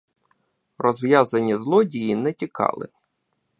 Розв'язані злодії не тікали.